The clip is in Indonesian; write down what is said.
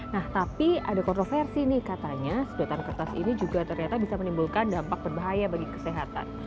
nah tapi ada kontroversi nih katanya sedotan kertas ini juga ternyata bisa menimbulkan dampak berbahaya bagi kesehatan